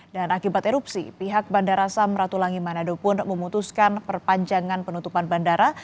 dan akibat erupsi pihak bandara samratulangi manado pun memutuskan perpanjangan penutupan bandara